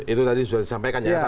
itu tadi sudah disampaikan ya